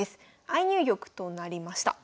相入玉となりました。